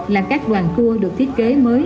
là các đoàn tour được thiết kế mới